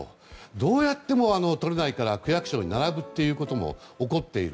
どうやっても取れないから区役所に並ぶということも起こっている。